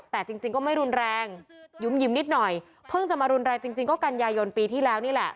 แต่จริงก็ไม่รุนแรงหยุ่มหิมนิดหน่อยเพิ่งจะมารุนแรงจริงก็กันยายนปีที่แล้วนี่แหละ